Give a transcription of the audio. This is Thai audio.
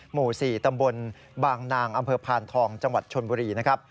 หมู่๔ตำบลบางนางอำเภอพานทองจังหวัดชนบุรีนะครับ